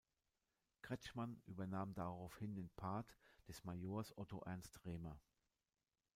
Kretschmann übernahm daraufhin den Part des Majors Otto Ernst Remer.